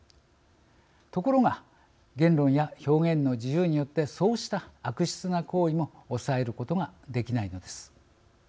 ところが言論や表現の自由によってそうした悪質な行為も抑えることができないのです。